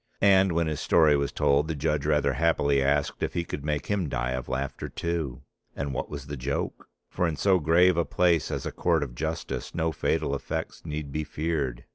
And when his story was told the judge rather happily asked if he could make him die of laughter too. And what was the joke? For in so grave a place as a Court of Justice no fatal effects need be feared.